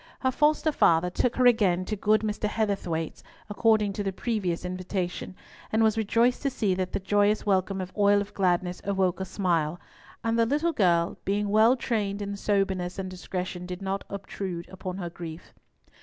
Her foster father took her again to good Mr. Heatherthwayte's, according to the previous invitation, and was rejoiced to see that the joyous welcome of Oil of Gladness awoke a smile; and the little girl, being well trained in soberness and discretion, did not obtrude upon her grief.